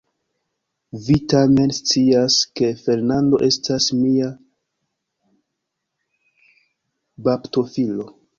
Vi tamen scias, ke Fernando estas mia baptofilo.